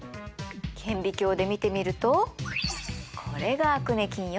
顕微鏡で見てみるとこれがアクネ菌よ。